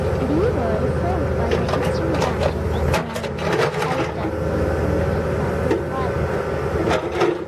Beaver is served by the Eastern Branch of the Garnet A. Wilson Public Library.